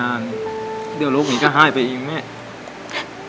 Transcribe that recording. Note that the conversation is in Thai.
พ่อผมจะช่วยพ่อผมจะช่วยพ่อผมจะช่วยพ่อผมจะช่วย